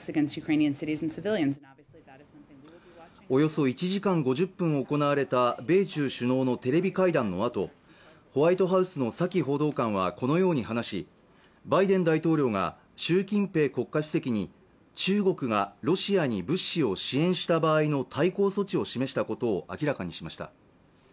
およそ１時間５０分行われた米中首脳のテレビ会談のあとホワイトハウスのサキ報道官はこのように話しバイデン大統領が習近平国家主席に中国がロシアに物資を支援した場合の対抗措置を示したことを明らかにしました